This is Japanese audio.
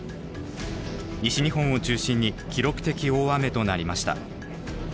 西日本を中心に記録的大雨となりました。